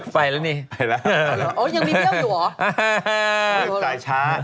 ไปแล้วนี่